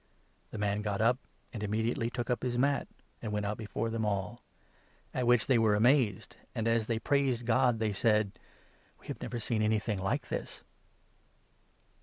The man got up, and immediately took up his mat, and went 12 out before them all ; at which they were amazed, and, as they praised God, they said :" We have never seen anything like this